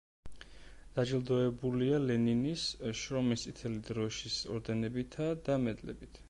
დაჯილდოებულია ლენინის, შრომის წითელი დროშის ორდენებითა და მედლებით.